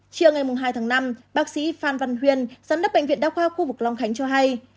chiều ngày hai tháng năm bác sĩ phan văn huyên giám đốc bệnh viện đa khoa khu vực long khánh cho hay